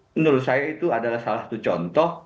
menurut saya itu adalah salah satu contoh